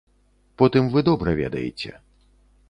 Потым вы добра ведаеце.